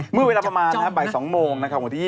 เมื่อเวลาประมาณบริ